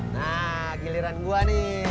nah giliran gua nih